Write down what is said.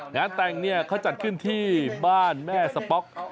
งานแต่งเนี่ยเขาจัดขึ้นที่บ้านแม่สป๊อก